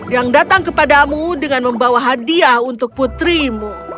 yang datang kepadamu dengan membawa hadiah untuk putrimu